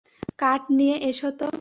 কাঠ নিয়ে এসো তো।